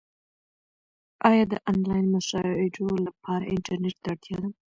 ایا د انلاین مشاعرو لپاره انټرنیټ ته اړتیا ده؟